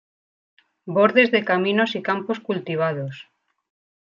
Bordes de caminos y campos cultivados.